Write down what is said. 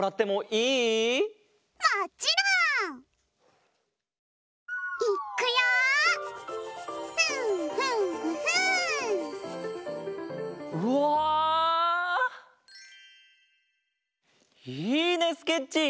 いいねスケッチー！